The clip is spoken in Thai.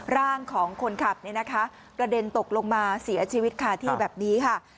ร่างของคนขับกระเด็นตกลงมาเสียชีวิตที่แบบนี้ค่ะ